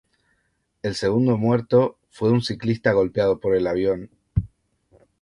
El segundo muerto fue un ciclista golpeado por el avión.